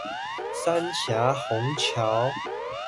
三峽虹橋